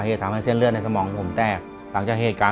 โทรหาคนรู้จักได้ฟังเนื้อเพลงต้นฉบัดร้องผิดได้๑คำ